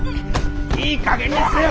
いいかげんにせよ！